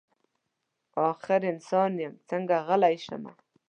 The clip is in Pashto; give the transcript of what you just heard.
اخر انسان یم څنګه غلی شمه.